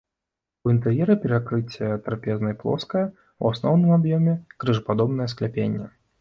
У інтэр'еры перакрыцце трапезнай плоскае, у асноўным аб'ёме крыжападобнае скляпенне.